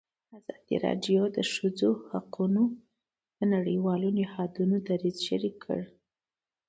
ازادي راډیو د د ښځو حقونه د نړیوالو نهادونو دریځ شریک کړی.